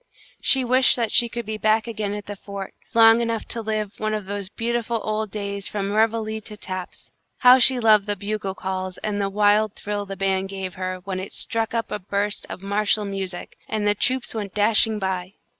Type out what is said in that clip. She wished that she could be back again at the fort, long enough to live one of those beautiful old days from reveille to taps. How she loved the bugle calls and the wild thrill the band gave her, when it struck up a burst of martial music, and the troops went dashing by!